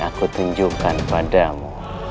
aku tunjukkan padamu